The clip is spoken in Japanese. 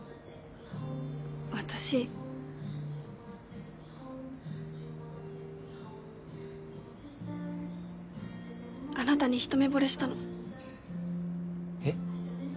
私あなたに一目ぼれしたのえっ？